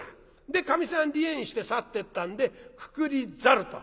でかみさん離縁して去ってったんでくくりざると。